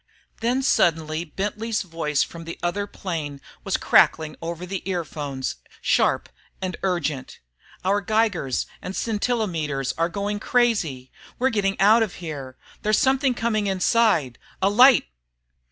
Then suddenly Bentley's voice from the other plane was crackling over the earphones, sharp and urgent: "Our Geigers and scintillometers are going crazy! We're getting out of here! There's something coming inside ... a light...."